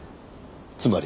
つまり？